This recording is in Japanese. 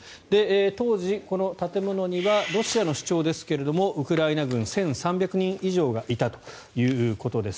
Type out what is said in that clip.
当時、この建物にはロシアの主張ですがウクライナ軍１３００人以上がいたということです。